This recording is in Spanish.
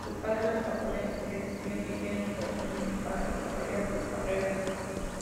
Sus padres son japoneses que decidieron vivir en Estados Unidos para desarrollar sus carreras.